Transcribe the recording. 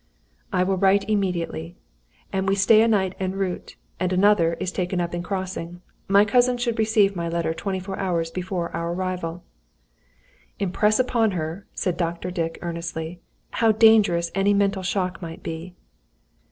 "I will write immediately. As we stay a night en route, and another is taken up in crossing, my cousin should receive my letter twenty four hours before our arrival." "Impress upon her," said Dr. Dick, earnestly, "how dangerous any mental shock might be."